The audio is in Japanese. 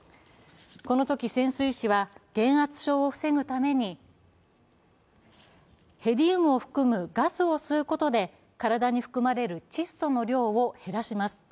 このとき、潜水士は減圧症を防ぐためにヘリウムを含むガスを吸うことで体に含まれる窒素の量を減らします。